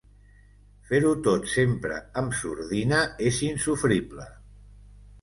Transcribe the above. Fer-ho tot sempre amb sordina és insofrible.